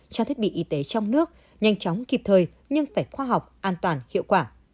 trang thiết bị y tế trong nước nhanh chóng kịp thời nhưng phải khoa học an toàn hiệu quả